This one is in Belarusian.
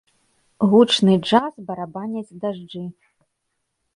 Гучны джаз барабаняць дажджы.